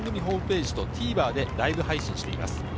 今大会の模様を番組ホームページとＴＶｅｒでライブ配信しています。